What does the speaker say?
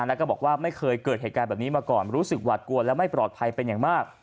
แล้วก็บอกว่าไม่เคยเกิดเหตุการณ์แบบนี้มาก่อนรู้สึกหวาดกลัวและไม่ปลอดภัยเป็นอย่างมาก